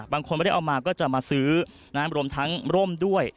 บางคนไม่ได้เอามาก็จะมาซื้อรวมทั้งร่มด้วย